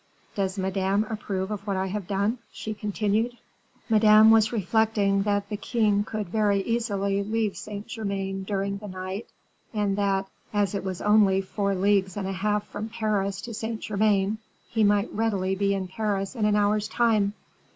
"Does Madame approve of what I have done?" she continued. Madame was reflecting that the king could very easily leave Saint Germain during the night, and that, as it was only four leagues and a half from Paris to Saint Germain, he might readily be in Paris in an hour's time.